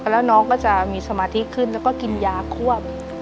แล้วน้องก็จะมีสมาธิขึ้นแล้วก็กินยาควบ